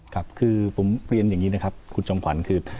ครับคือผมเรียนอย่างนี้นะครับคุณจอมขวัญคือ